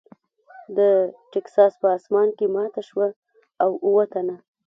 د ټیکساس په اسمان کې ماته شوه او اووه تنه .